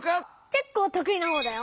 けっこうとくいな方だよ。